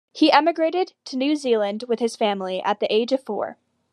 He emigrated to New Zealand with his family at the age of four.